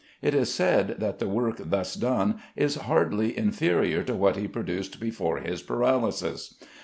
It is said that the work thus done is hardly inferior to what he produced before his paralysis.